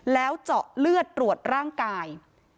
แล้วเจาะเลือดตรวจร่างกาย